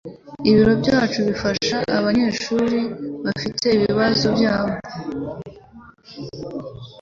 Ibiro byacu bifasha abanyeshuri bafite ibibazo byabo